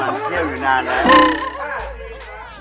มันเครียมอยู่หน้าน่ะ